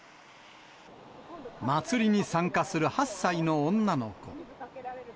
祭りに参加する８歳の女の子。